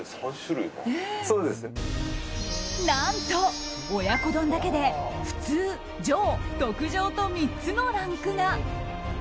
何と親子丼だけで普通、上、特上と３つのランクが。